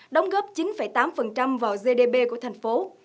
đóng góp chín tám vào gdp của thành phố